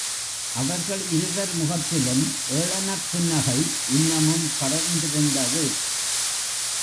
அவர்கள் இருவர் முகத்திலும் ஏளனப்புன்னகை இன்னமும் படர்ந்திருந்தது.